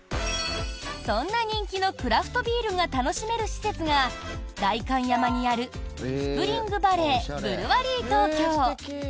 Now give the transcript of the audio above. そんな人気のクラフトビールが楽しめる施設が代官山にあるスプリングバレーブルワリー東京。